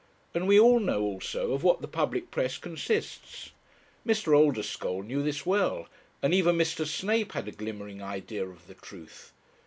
And we all know, also, of what the public press consists. Mr. Oldeschole knew this well, and even Mr. Snape had a glimmering idea of the truth.